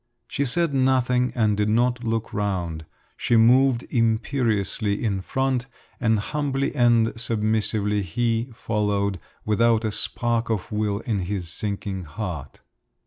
She said nothing and did not look round; she moved imperiously in front and humbly and submissively he followed without a spark of will in his sinking heart.